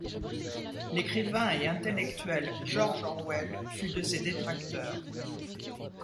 L'écrivain et intellectuel George Orwell fut de ses détracteurs.